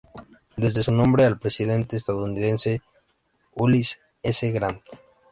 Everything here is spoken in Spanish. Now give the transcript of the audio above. Debe su nombre al presidente estadounidense Ulysses S. Grant.